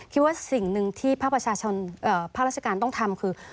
คิดว่าสิ่งหนึ่งที่ภาคราชการต้องทำคือ